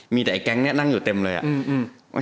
มีแต่ไอแก๊งนี้นั่งอยู่เต็มเลยอ่ะ